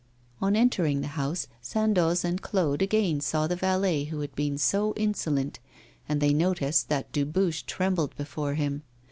On entering the house, Sandoz and Claude again saw the valet who had been so insolent; and they noticed that Dubuche trembled before him.